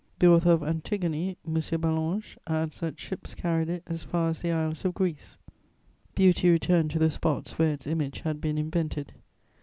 The author of Antigone, M. Ballanche, adds that ships carried it as far as the isles of Greece: beauty returned to the spots where its image had been invented.